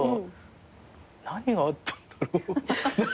何があったんだろう？